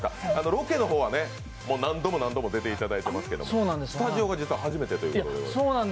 ロケの方は何度も出ていただいていますが、スタジオが初めてということで。